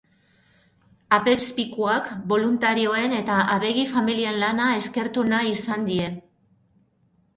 Apezpikuak boluntarioen eta abegi-familien lana eskertu nahi izan die.